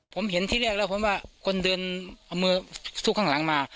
ผมเห็นที่แรกแล้วผมว่าคนเดินเอามือซุกข้างหลังมา